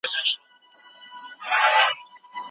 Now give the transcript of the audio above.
که زده کړه په کور کي وسي دا تعليم ګڼل کېږي.